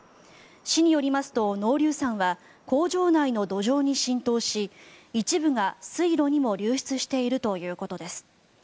市によりますと濃硫酸は工場内の土壌に浸透し一部が水路にも流出しているということです。